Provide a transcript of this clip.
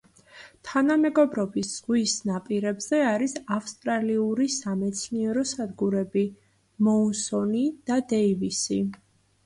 თანამეგობრობის ზღვის ნაპირებზე არის ავსტრალიური სამეცნიერო სადგურები: მოუსონი და დეივისი.